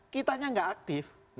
kitanya gak aktif